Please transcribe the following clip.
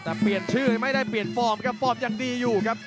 แต่เปลี่ยนชื่อไม่ได้เปลี่ยนฟอร์มครับฟอร์มยังดีอยู่ครับ